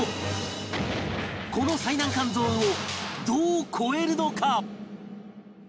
この最難関ゾーンをどう超えるのか？